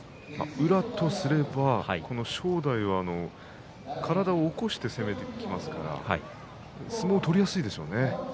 宇良とすれば正代は体を起こして攻めてきますから相撲が取りやすいですね。